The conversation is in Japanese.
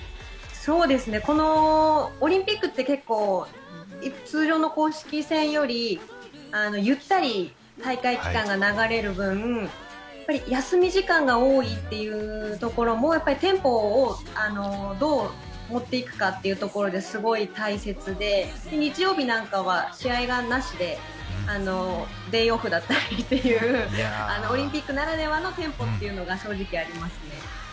このオリンピックって結構通常の公式戦よりゆったり大会期間が流れる分休み時間が多いっていうところもテンポをどうもっていくかっていうところですごい大切で、日曜日なんかは試合がなしでデーオフだったりというオリンピックならではのテンポっていうのが正直ありますね。